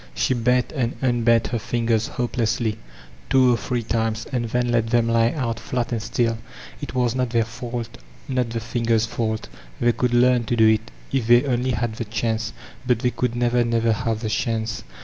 She bent and unbent her fingers hopeksslyt two or three times, and then let them lie out flat and stilL It was not their fault, not the fingers' fank; they could learn to do it» if they only had the chance; but they could never, never have the chance.